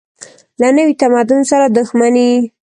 له نوي تمدن سره دښمني.